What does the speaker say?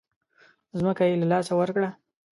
ځمکه یې له لاسه ورکړه.